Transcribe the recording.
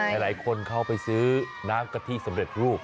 แต่หลายคนเข้าไปซื้อน้ำกะทิ๑๑ลูก